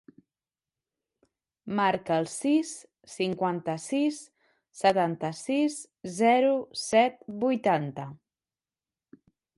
Marca el sis, cinquanta-sis, setanta-sis, zero, set, vuitanta.